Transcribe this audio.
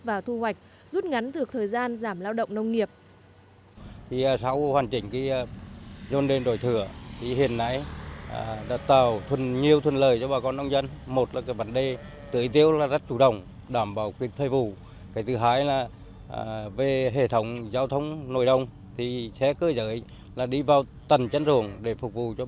và thu hoạch rút ngắn thược thời gian giảm lao động nông nghiệp